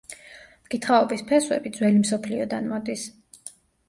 მკითხაობის ფესვები ძველი მსოფლიოდან მოდის.